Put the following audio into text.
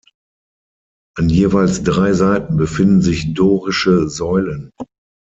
An jeweils drei Seiten befinden sich dorische Säulen.